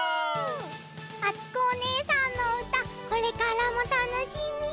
あつこおねえさんのうたこれからもたのしみ！